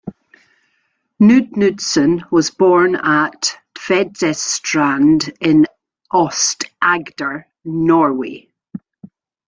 Knud Knudsen was born at Tvedestrand in Aust-Agder, Norway.